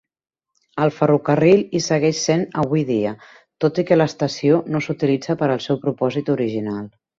El ferrocarril hi segueix sent avui dia, tot i que l'estació no s'utilitza per al seu propòsit original.